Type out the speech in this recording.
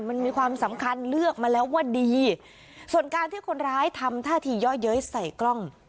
มันมีความสำคัญเลือกมาแล้วว่าดีส่วนการที่คนร้ายทำท่าทีย่อเย้ยใส่กล้อง